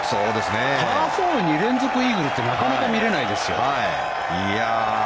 パー４で２連続イーグルってなかなか見れないですよ。